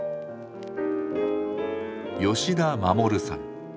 吉田衛さん。